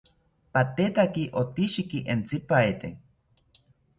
Patetaki otishiki entzipaete